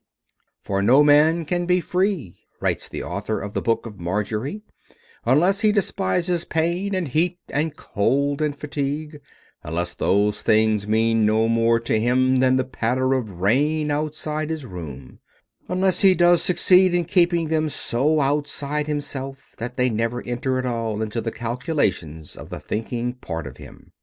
"For no man can be free," writes the author of The Book of Marjorie, "unless he despises pain and heat and cold and fatigue, unless those things mean no more to him than the patter of rain outside his room, unless he does succeed in keeping them so outside himself that they never enter at all into the calculations of the thinking part of him.